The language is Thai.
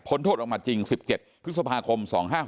โทษออกมาจริง๑๗พฤษภาคม๒๕๖